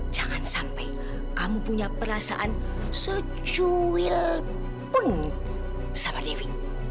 jangan sampai kamu punya perasaan sejujul pun sama dewi